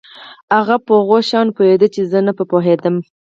هغه په هغو شیانو پوهېده چې زه نه په پوهېدم.